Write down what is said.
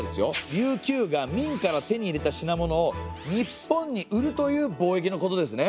琉球が明から手に入れた品物を日本に売るという貿易のことですね。